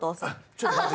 ⁉ちょっと待って。